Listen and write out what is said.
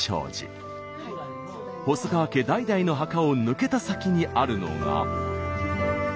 細川家代々の墓を抜けた先にあるのが。